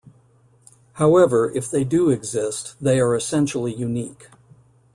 However, if they do exist, they are essentially unique.